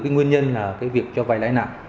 nguyên nhân là việc cho vay lãi nặng